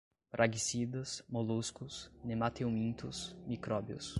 praguicidas, moluscos, nematelmintos, micróbios